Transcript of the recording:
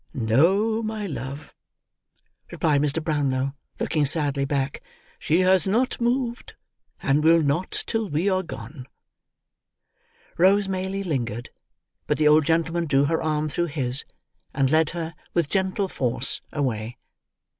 "No, my love," replied Mr. Brownlow, looking sadly back. "She has not moved, and will not till we are gone." Rose Maylie lingered, but the old gentleman drew her arm through his, and led her, with gentle force, away.